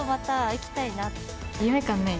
夢感ない？